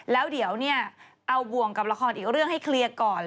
แล้วเดี๋ยวเนี่ยเอาบ่วงกับละครอีกเรื่องให้เคลียร์ก่อน